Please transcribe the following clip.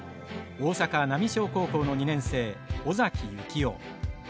大阪浪商高校の２年生尾崎行雄。